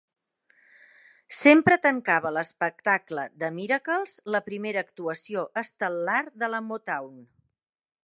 Sempre tancava l'espectacle The Miracles, la primera actuació estel·lar de la Motown.